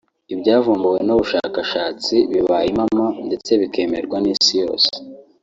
Ibyavumbuwe n’ubu bushakashatsi bibaye impamo ndetse bikemerwa n’isi yose